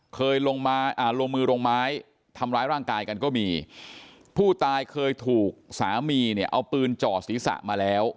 เคยลงมาลงมือลงไม้ทำร้ายร่างกายกันก็มีผู้ตายเคยถูกสามีเนี่ยเอาปืนจ่อศีรษะมาแล้ว